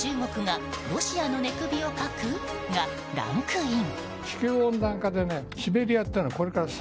中国がロシアの寝首をかく？がランクイン。